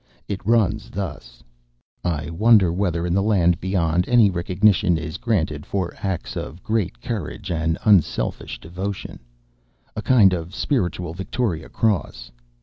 It runs thus:— "I wonder whether in the 'Land Beyond' any recognition is granted for acts of great courage and unselfish devotion—a kind of spiritual Victoria Cross.